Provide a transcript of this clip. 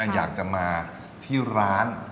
อยากจะมาที่ร้าน